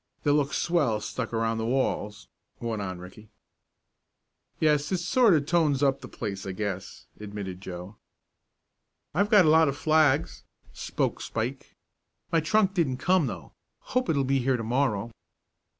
"They'll look swell stuck around the walls," went on Ricky. "Yes, it sort of tones up the place, I guess," admitted Joe. "I've got a lot of flags," spoke Spike. "My trunk didn't come, though. Hope it'll be here to morrow."